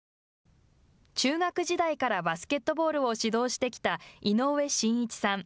中学時代からバスケットボールを指導してきた井上眞一さん。